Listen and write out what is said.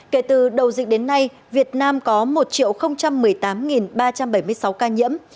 kể từ đầu dịch đến nay việt nam có một một mươi tám ba trăm bảy mươi sáu ca nhiễm